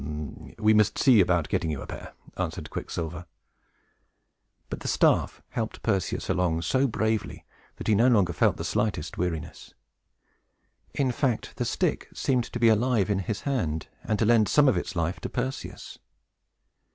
"We must see about getting you a pair," answered Quicksilver. But the staff helped Perseus along so bravely that he no longer felt the slightest weariness. In fact, the stick seemed to be alive in his hand, and to lend some of its life to Perseus.